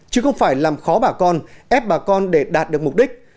để làm khó bà con ép bà con để đạt được mục đích